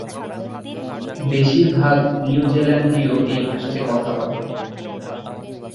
বেশির ভাগ নিউজিল্যান্ডীয় এই ভাষাতে কথা বলেন।